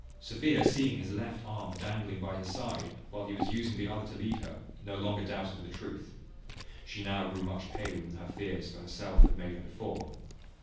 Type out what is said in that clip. Sophia seeing his left arm dangling by his side, while he was using the other to lead her, no longer doubted of the truth. She now grew much paler than her fears for herself had made her before.